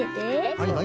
はいはい。